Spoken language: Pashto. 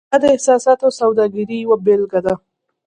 دا د احساساتو سوداګرۍ یوه بیلګه ده.